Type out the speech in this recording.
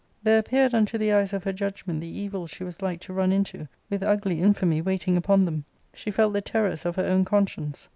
There appeared unto the eyes of her judgment the evils she was like to run into, with ugly infamy waiting upon them ; she felt the terrors of her own conscience.